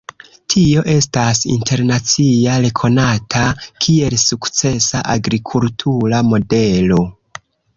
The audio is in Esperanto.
Tio estis internacia rekonata, kiel sukcesa agrikultura modelo.